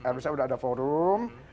rws nya sudah ada forum